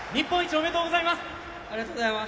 ありがとうございます。